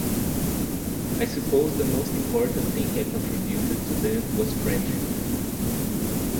I suppose the most important thing I contributed to them was friendship.